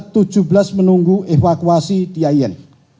tujuh belas menunggu evakuasi di ayen